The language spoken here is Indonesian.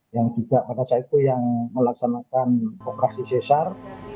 yang juga pada saat itu yang melaksanakan operasi sesar